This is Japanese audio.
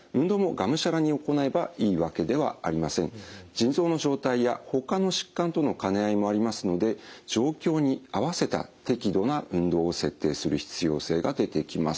腎臓の状態やほかの疾患との兼ね合いもありますので状況に合わせた適度な運動を設定する必要性が出てきます。